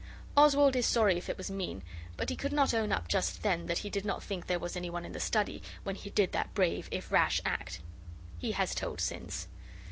Oswald is sorry if it was mean, but he could not own up just then that he did not think there was any one in the study when he did that brave if rash act. He has told since.